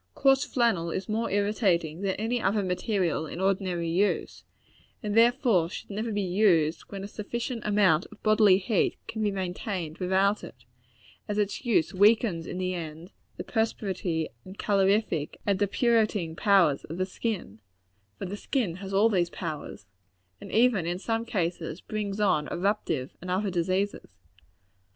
Coarse flannel is more irritating than any other material in ordinary use, and should therefore never be used when a sufficient amount of bodily heat can be maintained without it; as its use weakens, in the end, the perspiratory, and calorific, and depurating powers of the skin for the skin has all these powers and even, in some cases, brings on eruptive and other diseases.